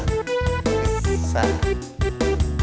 iya nengok satu titik